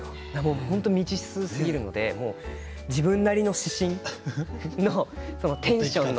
未知数すぎるので自分なりの指針のテンションの